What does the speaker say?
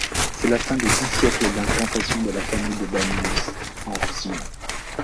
C'est la fin de dix siècles d'implantation de la famille de Banyuls en Roussillon.